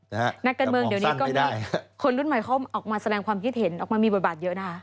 นักการเมืองเดี๋ยวนี้ก็มีคนรุ่นใหม่เขาออกมาแสดงความคิดเห็นออกมามีบทบาทเยอะนะคะ